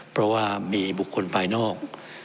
เพราะว่ามีบุคคลภายนอก